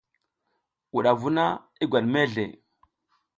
Wudavu na i gwat mezle.